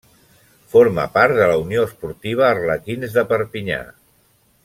Forma part de la Unió Esportiva Arlequins de Perpinyà.